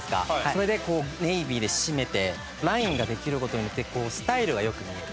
それでネイビーで締めてラインができる事によってスタイルが良く見える。